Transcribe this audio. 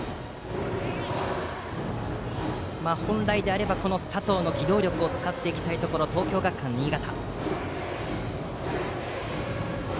本来であれば佐藤の機動力を使っていきたいところ東京学館新潟。